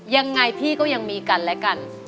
ยังไงพี่ก็ยังมีกันและกัน